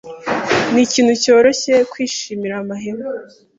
Ni ikintu cyoroshye kwishimira amahema